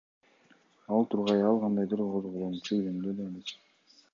Ал тургай ал кандайдыр козголоңчу жөнүндө да эмес.